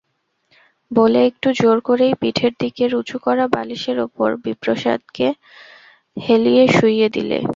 বলে একটু জোর করেই পিঠের দিকের উঁচু-করা বালিশের উপর বিপ্রদাসকে হেলিয়ে শুইয়ে দিলে।